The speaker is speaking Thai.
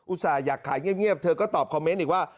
ส่าห์อยากขายเงียบเธอก็ตอบคอมเมนต์อีกว่า